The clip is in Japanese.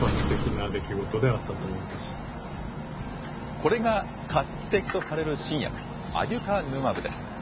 これが画期的とされる新薬、アデュカヌマブです。